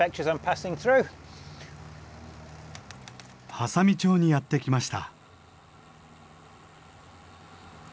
波佐見町にやって来ました。